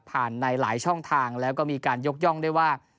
ในหลายช่องทางแล้วก็มีการยกย่องได้ว่า